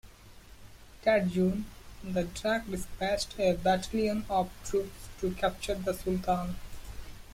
That June, the Derg dispatched a battalion of troops to capture the sultan.